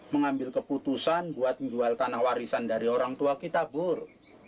mengambil keputusan buat menjual tanah warisan dari orang tua kita bur